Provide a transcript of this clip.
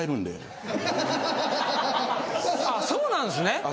そうなんすね。